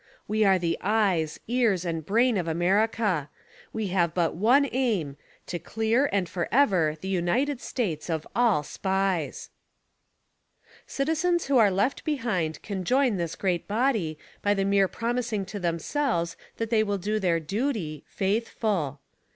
We are the eyes, ears and brain of America ; we have but one aim.: To clear, and forever, die UNITED STATES of all SPIES." Citizens who are left behind can join this great body by the mere prom ising to themselves that they will do their duty — FAITHFUL.